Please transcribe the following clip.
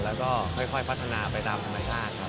แล้วก็ค่อยพัฒนาไปตามธรรมชาติครับ